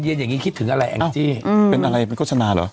เย็นอย่างงี้คิดถึงอะไรเป็นอะไรมันโฆชนะเหรอ